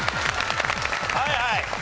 はいはい。